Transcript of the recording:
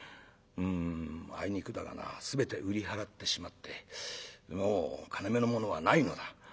「うんあいにくだがな全て売り払ってしまってもう金めのものはないのだ」。